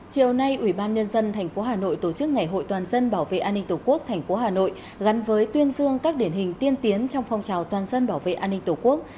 chiều nay ủy ban nhân dân tp hà nội tổ chức ngày hội toàn dân bảo vệ an ninh tổ quốc tp hà nội gắn với tuyên dương các điển hình tiên tiến trong phong trào toàn dân bảo vệ an ninh tổ quốc